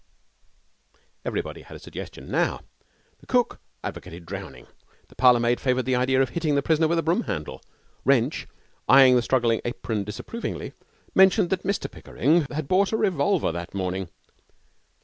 Everybody had a suggestion now. The cook advocated drowning. The parlour maid favoured the idea of hitting the prisoner with a broom handle. Wrench, eyeing the struggling apron disapprovingly, mentioned that Mr Pickering had bought a revolver that morning.